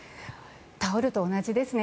タオルと同じですね。